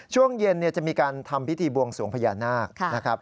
ช่วงเย็นจะมีการทำพิธีบวงสวงพญานาคนะครับ